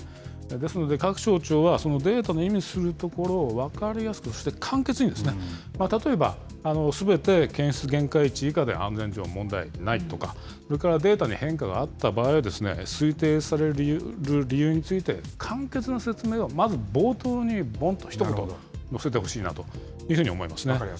ですので、各省庁はそのデータの意味するところを分かりやすく、そして簡潔に、例えば、すべて検出限界値以下で安全上問題ないとか、それからデータに変化があった場合には、推定される理由について簡潔な説明を、まず冒頭にぼんっとひと言載せてほしいなというふうに思いますね。